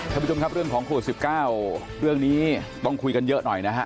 ท่านผู้ชมครับเรื่องของโควิด๑๙เรื่องนี้ต้องคุยกันเยอะหน่อยนะฮะ